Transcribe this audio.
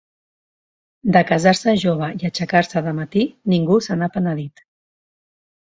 De casar-se jove i aixecar-se de matí, ningú se n'ha penedit.